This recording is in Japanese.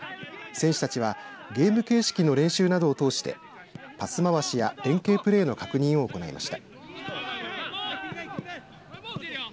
選手たちはゲーム形式の練習などを通してパスまわしや連係プレーの確認を行いました。